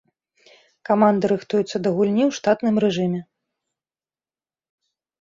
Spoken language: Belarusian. Каманда рыхтуецца да гульні ў штатным рэжыме.